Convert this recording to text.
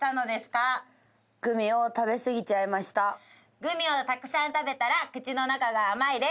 グミをたくさん食べたら口の中が甘いです。